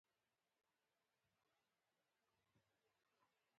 خو تر دوی وړاندې چینی روان شو وفاداره و.